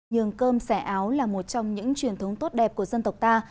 nhường cơm xẻ áo là một trong những truyền thống tốt đẹp của dân tộc ta